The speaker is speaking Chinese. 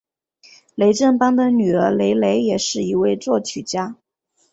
雷振邦的女儿雷蕾也是一位作曲家。